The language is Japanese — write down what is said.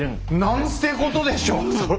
なんてことでしょう！